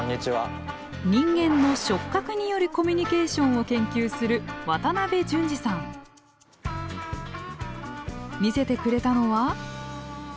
人間の触覚によるコミュニケーションを研究する見せてくれたのは？